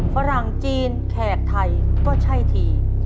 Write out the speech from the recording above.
ฝรั่งจีนแขกไทยก็ใช่ที